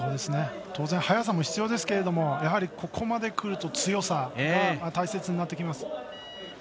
当然、速さも必要ですけども、ここまでくると強さが大切になってきます。